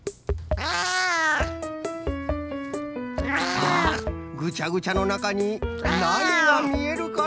さあぐちゃぐちゃのなかになにがみえるかな？